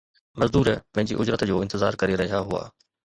مزدور پنهنجي اجرت جو انتظار ڪري رهيا هئا